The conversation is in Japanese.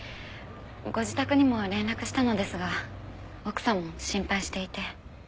ご自宅にも連絡したのですが奥様も心配していて。